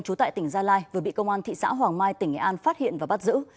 trú tại tỉnh gia lai vừa bị công an thị xã hoàng mai tỉnh nghệ an phát hiện và bắt giữ